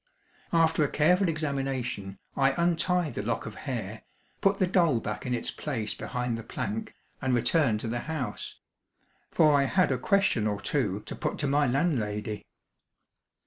After a careful examination, I untied the lock of hair, put the doll back in its place behind the plank, and returned to the house: for I had a question or two to put to my landlady.